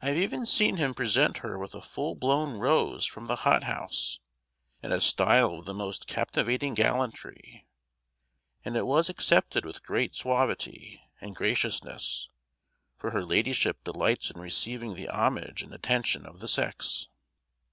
I have even seen him present her with a full blown rose from the hot house, in a style of the most captivating gallantry, and it was accepted with great suavity and graciousness; for her ladyship delights in receiving the homage and attention of the sex.